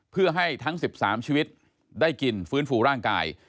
เพื่อให้ทั้ง๑๓ชีวิตได้กินฟื้นฟูร่างกาย